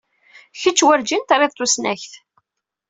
Kečč werǧin trid tusnakt.